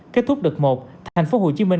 kết thúc đợt một tp hcm